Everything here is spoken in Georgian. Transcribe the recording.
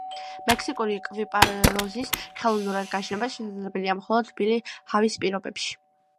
მექსიკური კვიპაროზის ხელოვნურად გაშენება შესაძლებელია მხოლოდ თბილი ჰავის პირობებში.